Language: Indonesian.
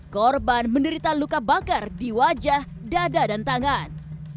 korban menderita luka bakar di wajah dada dan tangan